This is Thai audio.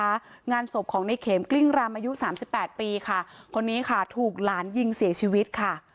งานศพของในเข็มกลิ้งรำอายุสามสิบแปดปีค่ะคนนี้ค่ะถูกหลานยิงเสียชีวิตค่ะ